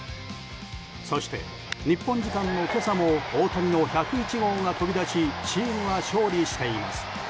そして日本時間の今朝も大谷の１０１号が飛び出しチームは勝利しています。